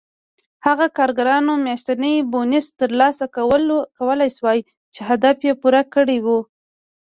هغو کارګرانو میاشتنی بونېس ترلاسه کولای شوای چې هدف یې پوره کړی و